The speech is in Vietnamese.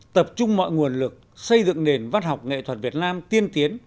tập trung mọi nguồn lực xây dựng nền văn học nghệ thuật việt nam tiên tiến